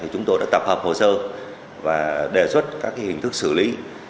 chúng tôi đã tập hợp hồ sơ và đề xuất các hình thức xử lý